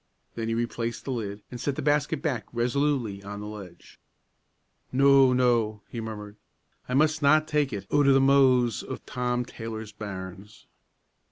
Then he replaced the lid, and set the basket back resolutely on the ledge. "No! no!" he murmured. "I mus' na tak' it oot o' the mou's o' Tom Taylor's bairns."